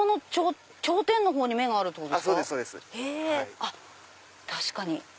あっ確かに！